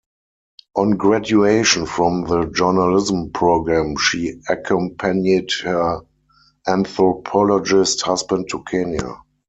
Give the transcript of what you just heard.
On graduation from the journalism program she accompanied her anthropologist husband to Kenya.